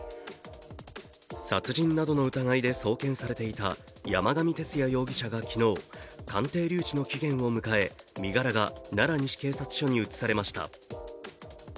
殺人などの疑いで送検されていた山上徹也容疑者が昨日、鑑定留置の期限を迎え、身柄が奈良西警察署に移されました。